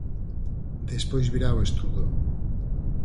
Despois virá o estudo.